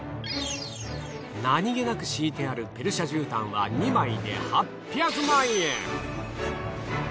何気なく敷いてあるペルシャ絨毯は２枚で８００万円。